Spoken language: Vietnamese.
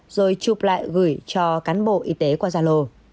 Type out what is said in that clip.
rồi chụp lại gửi cho cán bộ y tế qua gia lô